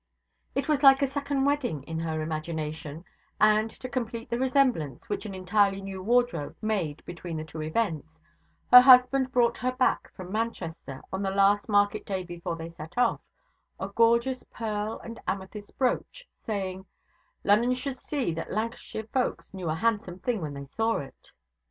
It was like a second wedding in her imagination; and, to complete the resemblance which an entirely new wardrobe made between the two events, her husband brought her back from Manchester, on the last market day before they set off, a gorgeous pearl and amethyst brooch, saying, 'Lunnon should see that Lancashire folks knew a handsome thing when they saw it.'